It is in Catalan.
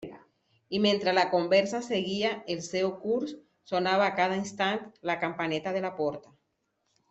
I mentre la conversa seguia el seu curs, sonava a cada instant la campaneta de la porta.